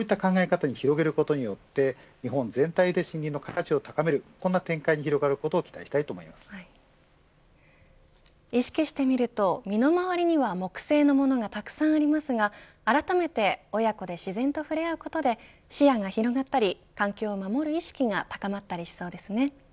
こういった考え方に広げることにより日本全体で森林の価値を高めるこんな展開が意識してみると身の回りには木製のものがたくさんありますがあらためて親子で自然と触れ合うことで視野が広がったり、環境を守る意識が高まったりしそうですね。